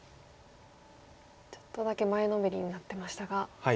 ちょっとだけ前のめりになってましたが。